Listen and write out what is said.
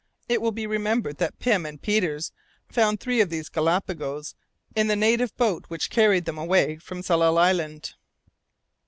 It will be remembered that Pym and Peters found three of these galapagos in the native boat which carried them away from Tsalal Island.